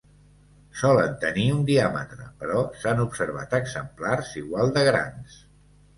Solen tenir un diàmetre, però s'han observat exemplars igual de grans.